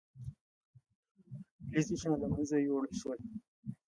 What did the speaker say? فلزي شیان له منځه یوړل شول.